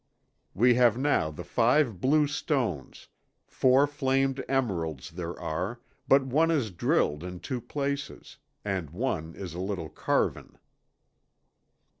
We have now the five blue stones; four flamed emeralds there are, but one is drilled in two places, and one is a little carven.'